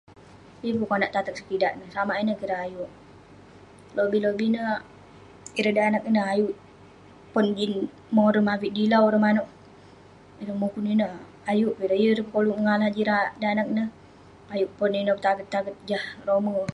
Yeng pun konak setidak samak ineh keh ireh ayuk lobih-lobih neh ireh danag ineh ayuk pon jin morem avik dilau ireh manuek ireh mukun ineh ayuk peh ireh tapik yeng koluk kalah jin ireh danag ayuk pon ineh petaget jah rome